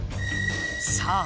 さあ